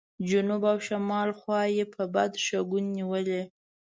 جنوب او شمال خوا یې په بد شګون نیولې.